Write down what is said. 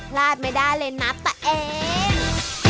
พลาดไม่ได้เลยนะตะเอ็น